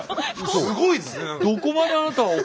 すごいですね。